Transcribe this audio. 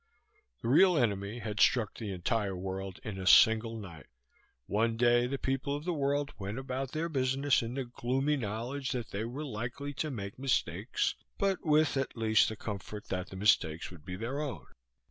The real enemy had struck the entire world in a single night. One day the people of the world went about their business in the gloomy knowledge that they were likely to make mistakes but with, at least, the comfort that the mistakes would be their own.